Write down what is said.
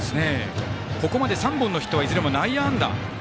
ここまで３本のヒットはいずれも内野安打。